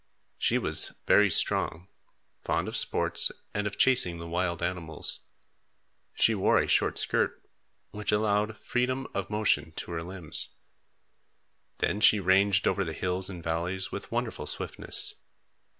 She was very strong, fond of sports, and of chasing the wild animals. She wore a short skirt, which allowed freedom of motion to her limbs. Then she ranged over the hills and valleys with wonderful swiftness.